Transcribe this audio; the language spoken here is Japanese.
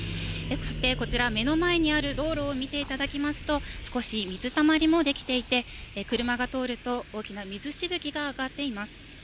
そしてこちら、目の前にある道路を見ていただきますと、少し水たまりも出来ていて、車が通ると、大きな水しぶきが上がっています。